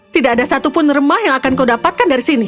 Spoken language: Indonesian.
tidak ada satupun remah yang akan kau dapatkan dari sini